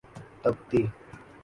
تبتی